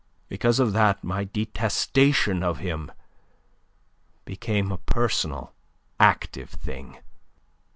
Because of that my detestation of him became a personal, active thing.